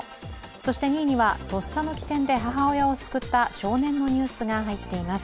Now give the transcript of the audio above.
そして２位には、とっさの機転で母親を救った少年のニュースが入っています。